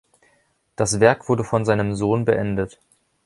Das Werk wurde von seinem Sohn beendet.